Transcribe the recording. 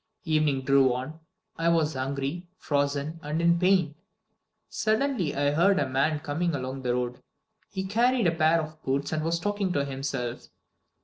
Evening drew on. I was hungry, frozen, and in pain. Suddenly I heard a man coming along the road. He carried a pair of boots, and was talking to himself.